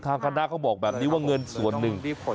คณะเขาบอกแบบนี้ว่าเงินส่วนหนึ่ง